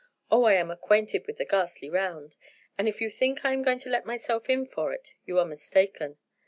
Oh, I am acquainted with the ghastly round; and if you think I am going to let myself in for it you are mistaken.